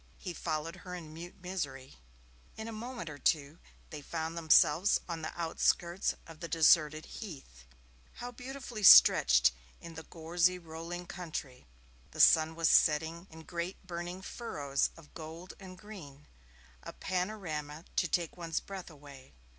He followed her in mute misery. In a moment or two they found themselves on the outskirts of the deserted heath. How beautiful stretched the gorsy rolling country! The sun was setting in great burning furrows of gold and green a panorama to take one's breath away.